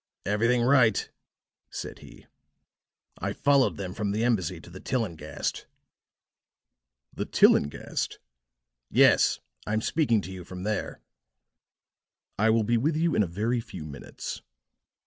"Everything right," said he. "I followed them from the embassy to the Tillinghast." "The Tillinghast!" "Yes, I'm speaking to you from there." "I will be with you in a very few minutes."